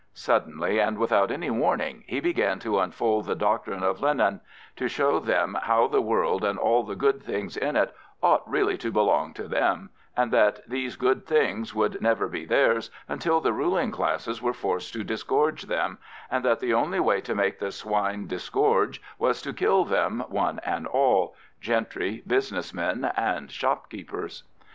Suddenly and without any warning he began to unfold the doctrine of Lenin, to show them how the world and all the good things in it ought really to belong to them, and that these good things would never be theirs until the ruling classes were forced to disgorge them, and that the only way to make the swine disgorge was to kill them one and all—gentry, business men, and shopkeepers.